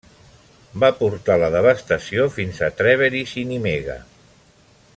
Va portar la devastació fins a Trèveris i Nimega.